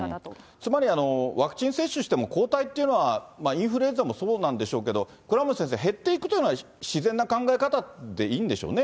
つまりワクチン接種しても、抗体っていうのは、インフルエンザもそうなんでしょうけれども、倉持先生、減っていくっていうのは自然な考え方でいいんでしょうね。